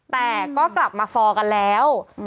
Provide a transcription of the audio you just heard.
แต่ก็กลับมาฟอร์กันแล้ว